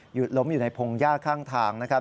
ล้มอยู่ในพงหญ้าข้างทางนะครับ